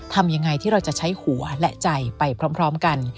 ทำยังไงที่เราจะใช้หัวและใจไปพร้อมกัน